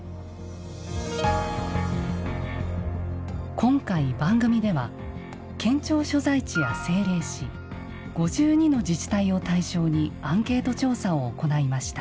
今回番組では県庁所在地や政令市５２の自治体を対象にアンケート調査を行いました。